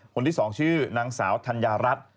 คนที่๒ชื่อนางสาวธัญญารัฐ